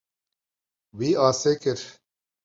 Wî asê kir.